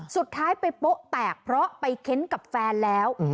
สุดท้ายไปโป๊ะแตกเพราะไปเค้นกับแฟนแล้ว